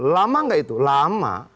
lama gak itu lama